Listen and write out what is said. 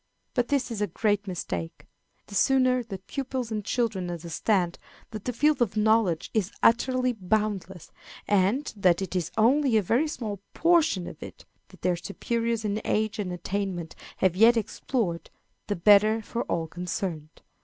But this is a great mistake. The sooner that pupils and children understand that the field of knowledge is utterly boundless, and that it is only a very small portion of it that their superiors in age and attainment have yet explored, the better for all concerned.